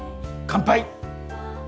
乾杯！